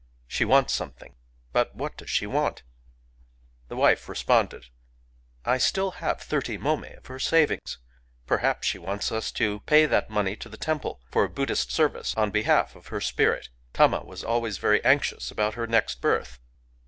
"She wants something; — but what does she want?" The wife responded: —^" I have still thirty mommi of her savings. Per ^ haps she wants us to pay that money to the temple, ; for a Buddhist service on behalf of her spirit. Tama was always very anxious about her next birth."